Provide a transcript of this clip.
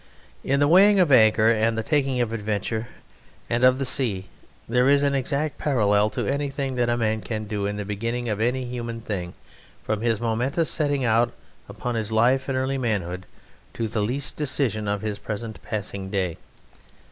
In the weighing of anchor and the taking of adventure and of the sea there is an exact parallel to anything that any man can do in the beginning of any human thing, from his momentous setting out upon his life in early manhood to the least decision of his present passing day.